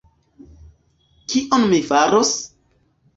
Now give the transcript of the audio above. Kion mi faros?